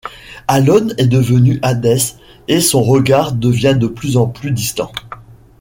Alone est devenu Hadès, et son regard devient de plus en plus distant.